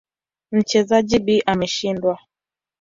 Mchezaji B ameshinda.